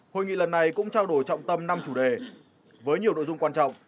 hội nghị lần này cũng trao đổi trọng tâm năm chủ đề với nhiều nội dung quan trọng